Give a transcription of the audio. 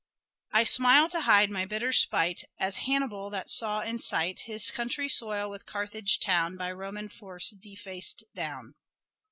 I smile to hide my bitter spite, As Hannibal that saw in sight, His country's soil with Carthage town, By Roman force defaced down."